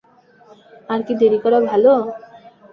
আর কি দেরি করা ভালো?